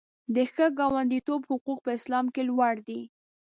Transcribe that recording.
د ښه ګاونډیتوب حقوق په اسلام کې لوړ دي.